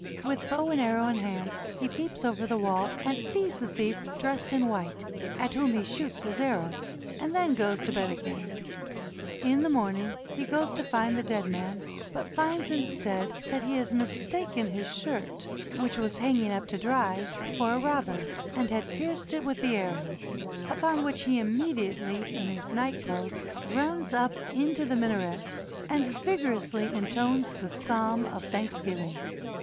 With bow and arrow in hand, he peeps over the wall, and sees the thief dressed in white, at whom he shoots his arrow, and then goes to bed again. In the morning he goes to find the dead man, but finds instead that he has mistaken his shirt, which was hanging up to dry, for a robber, and had pierced it with the arrow, upon which he immediately in his night clothes runs up into the minaret, and vigorously intones the psalm of thanksgiving.